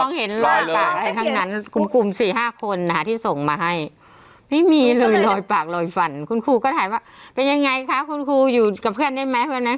มองเห็นรอยปากทั้งนั้นกลุ่มกลุ่ม๔๕คนที่ส่งมาให้ไม่มีเลยรอยปากรอยฟันคุณครูก็ถ่ายว่าเป็นยังไงค่ะคุณครูอยู่กับเพื่อนได้ไหม